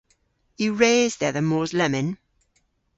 Yw res dhedha mos lemmyn?